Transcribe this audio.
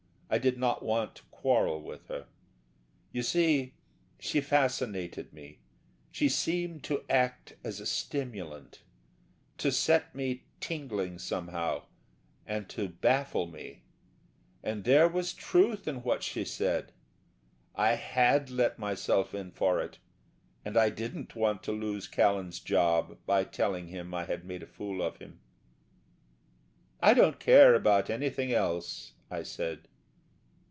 I did not want to quarrel with her. You see, she fascinated me, she seemed to act as a stimulant, to set me tingling somehow and to baffle me.... And there was truth in what she said. I had let myself in for it, and I didn't want to lose Callan's job by telling him I had made a fool of him. "I don't care about anything else," I said.